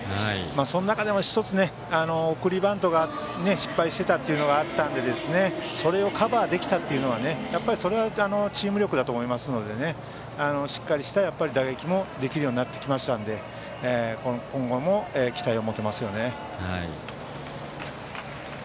その中でも１つ、送りバントが失敗していたのがあったのでそれをカバーできたというのがそれがチーム力だと思いますのでしっかりした打撃もできるようになってきましたので今後も期待を持てますよね。